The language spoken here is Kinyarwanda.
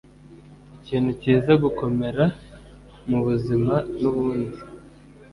ikintu cyiza gukomera mubuzima nubundi.